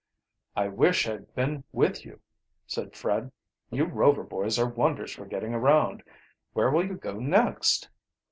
"I wish I had been with you," said Fred. "You Rover boys are wonders for getting around. Where will you go next?"